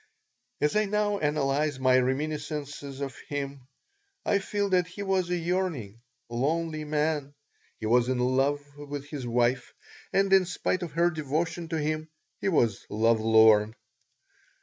As I now analyze my reminiscences of him I feel that he was a yearning, lonely man. He was in love with his wife and, in spite of her devotion to him, he was love lorn.